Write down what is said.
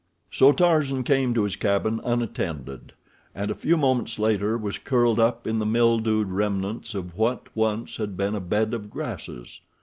So Tarzan came to his cabin unattended, and a few moments later was curled up in the mildewed remnants of what had once been a bed of grasses.